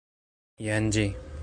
Jen ĝi